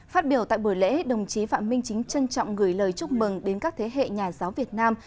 phát biểu tại buổi lễ đồng chí phạm minh chính trân trọng gửi lời chúc mừng đến các thế hệ nhà giáo việt nam